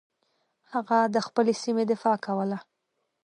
هغه د خپلې سیمې دفاع کوله.